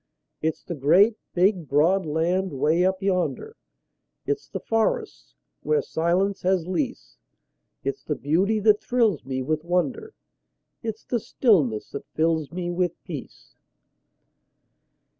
It's the great, big, broad land 'way up yonder, It's the forests where silence has lease; It's the beauty that thrills me with wonder, It's the stillness that fills me with peace.